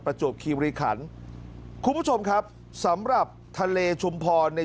จวบคีบริขันคุณผู้ชมครับสำหรับทะเลชุมพรใน